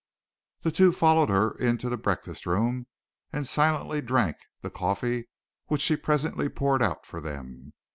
The two followed her into the breakfast room and silently drank the coffee which she presently poured out for them.